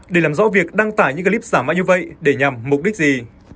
để làm rõ việc đăng tải những clip giả mạo như vậy để nhằm mục đích gì